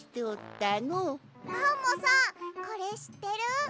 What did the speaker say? アンモさんこれしってる？